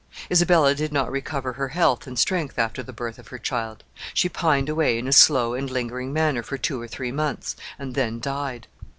Isabella did not recover her health and strength after the birth of her child. She pined away in a slow and lingering manner for two or three months, and then died.